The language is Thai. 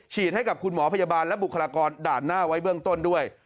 ให้กับคุณหมอพยาบาลและบุคลากรด่านหน้าไว้เบื้องต้นด้วย